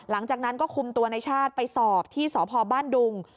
หลังจากนั้นก็คุมตัวในชาติไปสอบที่สพบ้านดุง